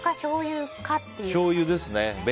しょうゆですね。